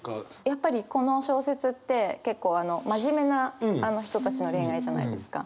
やっぱりこの小説って結構真面目な人たちの恋愛じゃないですか。